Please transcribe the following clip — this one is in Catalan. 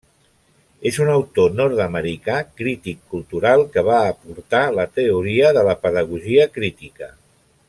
És un autor nord-americà crític cultural, que va aportar la teoria de la pedagogia crítica.